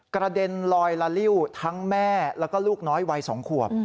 กระเด็นลอยละลิ้วทั้งแม่แล้วก็ลูกน้อยวัย๒ขวบ